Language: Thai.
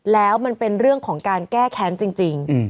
แล้วมันเป็นเรื่องของการแก้แค้นจริง